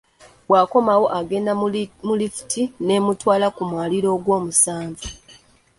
Bw'akomawo agenda mu lifuti n'emutwala ku mwaliiro ogwomusanvu.